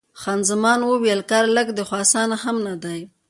خان زمان وویل: کار لږ دی، خو اسان هم نه دی.